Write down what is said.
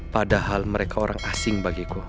padahal mereka orang asing bagiku